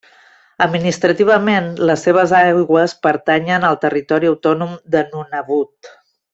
Administrativament les seves aigües pertanyen al territori autònim de Nunavut.